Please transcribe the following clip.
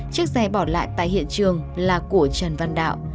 chiếc giày bỏ lại tại hiện trường của trần văn đạo